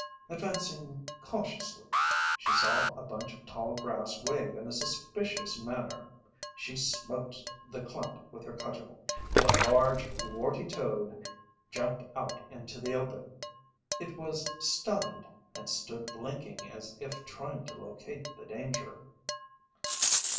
Advancing cautiously, she saw a bunch of tall grass wave in a suspicious manner. She smote the clump with her cudgel, and a large, warty toad jumped out into the open. It was stunned, and stood blinking as if trying to locate the danger.